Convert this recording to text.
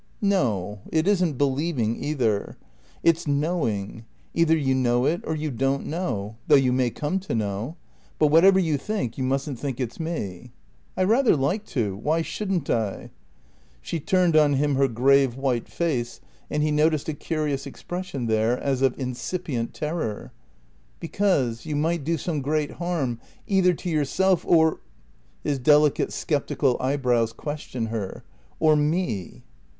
"No; it isn't believing either. It's knowing. Either you know it or you don't know, though you may come to know. But whatever you think, you mustn't think it's me." "I rather like to. Why shouldn't I?" She turned on him her grave white face, and he noticed a curious expression there as of incipient terror. "Because you might do some great harm either to yourself or " His delicate, sceptical eyebrows questioned her. "Or me."